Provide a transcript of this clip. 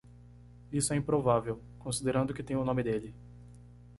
Isso é improvável, considerando que tem o nome dele.